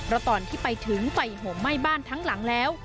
เพราะตอนที่ไปถึงไฟห่มไหม้บ้านทั้งหลังแล้ว